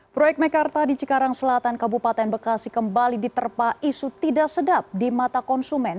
proyek mekarta di cikarang selatan kabupaten bekasi kembali diterpa isu tidak sedap di mata konsumen